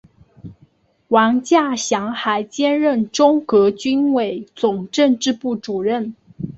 王稼祥还兼任中革军委总政治部主任。